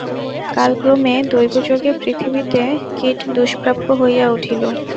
কালক্রমে দৈবযোগে পৃথিবীতে কীট দুষ্প্রাপ্য হইয়া উঠিল।